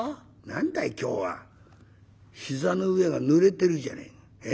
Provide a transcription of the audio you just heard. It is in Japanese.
何だい今日は膝の上がぬれてるじゃねえの。